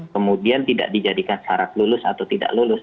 kemudian tidak dijadikan syarat lulus atau tidak lulus